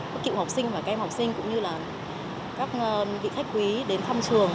các cựu học sinh và các em học sinh cũng như là các vị khách quý đến thăm trường